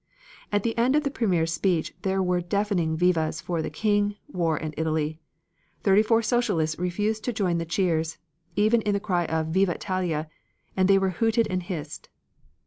At the end of the Premier's speech there were deafening vivas for the King, war and Italy. Thirty four Socialists refused to join the cheers, even in the cry "Viva Italia!" and they were hooted and hissed.